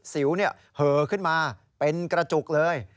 สิวเหอขึ้นมาเป็นกระจุกเลย